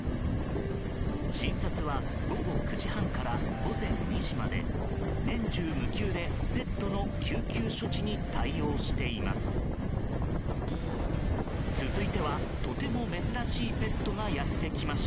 診察は午後９時半から午前２時まで年中無休でペットの救急処置に対応しています。